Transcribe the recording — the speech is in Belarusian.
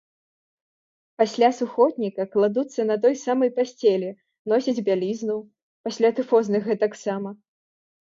Пасля сухотніка кладуцца на той самай пасцелі, носяць бялізну, пасля тыфозных гэтаксама.